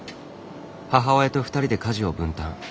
母親と２人で家事を分担。